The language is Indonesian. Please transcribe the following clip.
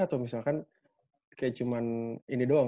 atau misalkan kayak cuma ini doang